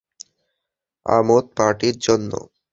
আমোদ পার্টির জন্য!